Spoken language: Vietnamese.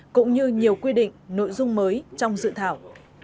cũng như nhiều quy định nội dung mới trong dự thảo